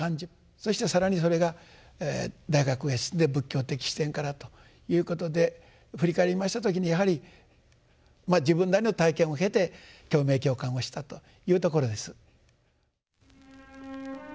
そして更にそれが大学へ進んで仏教的視点からということで振り返りました時にやはり自分なりの体験を経て共鳴共感をしたというところです。